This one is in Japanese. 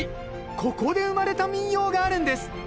ここで生まれた民謡があるんです。